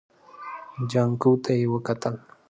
جانکو ته يې وکتل.